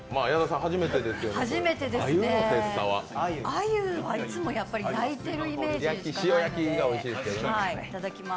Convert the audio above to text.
あゆはいつも、やっぱり焼いてるイメージです。